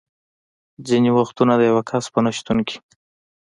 ځینې وختونه د یو کس په نه شتون کې.